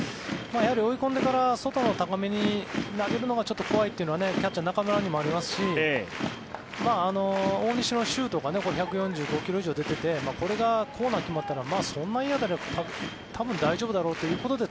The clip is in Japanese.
やはり追い込んでから外の高めに投げるのがちょっと怖いっていうのはキャッチャー、中村にもありますし大西のシュートが１４５ｋｍ以上出ててこれがコーナー決まったらそんないい当たりは多分大丈夫だろうということで